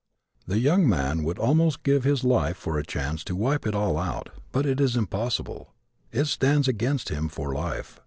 The young man would almost give his life for a chance to wipe it all out, but it is impossible. It stands against him for life.